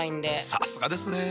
さすがですね。